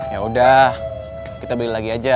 yaudah kita beli lagi aja